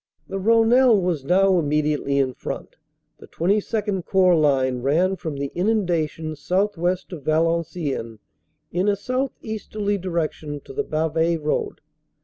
"The Rhonelle was now immediately in front. The XXII Corps line ran from the inundations southwest of Valenciennes in a southeasterly direction to the Bavay road.